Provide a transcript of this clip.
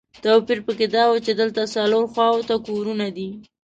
توپیر په کې دا و چې دلته څلورو خواوو ته کورونه دي.